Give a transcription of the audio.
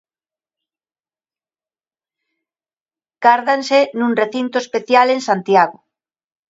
Gárdanse nun recinto especial, en Santiago.